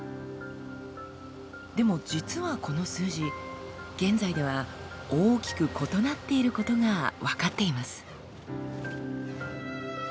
でも実はこの数字現在では大きく異なっていることが分かっています。